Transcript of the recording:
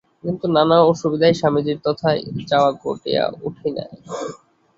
কিন্তু নানা অসুবিধায় স্বামীজীর তথায় যাওয়া ঘটিয়া উঠে নাই।